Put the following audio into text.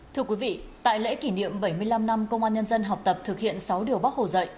thưa quý vị tại lễ kỷ niệm bảy mươi năm năm công an nhân dân học tập thực hiện sáu điều bác hồ dạy